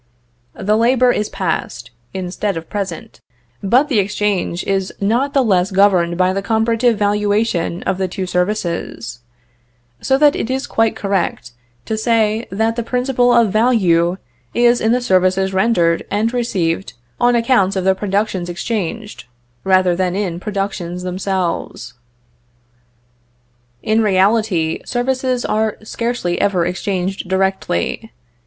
The labor is past, instead of present; but the exchange is not the less governed by the comparative valuation of the two services; so that it is quite correct to say, that the principle of value is in the services rendered and received on account of the productions exchanged, rather than in productions themselves. In reality, services are scarcely ever exchanged directly.